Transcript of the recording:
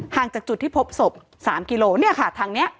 ห่างจากจุดที่พบศพ๓กิโลเมตรนี่ค่ะถังนี้